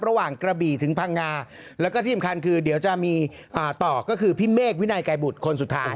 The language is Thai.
ระหว่างกระบี่ถึงพังงาแล้วก็ที่สำคัญคือเดี๋ยวจะมีต่อก็คือพี่เมฆวินัยไกรบุตรคนสุดท้าย